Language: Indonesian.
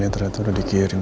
rendy ke rumah sakit lagi